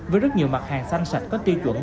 với rất nhiều mặt hàng xanh sạch có tiêu chuẩn